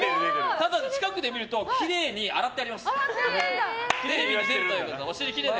近くで見るときれいに洗ってあります。